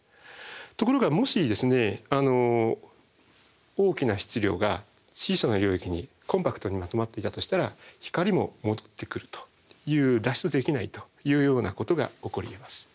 ところがもし大きな質量が小さな領域にコンパクトにまとまっていたとしたら光も戻ってくるという脱出できないというようなことが起こりえます。